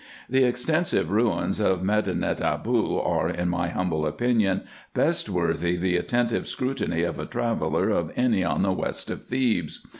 The extensive ruins of Medinet Aboo are, in my humble IN EGYPT, NUBIA, &c. 121 opinion, best worthy the attentive scrutiny of a traveller of any on the west of Thebes.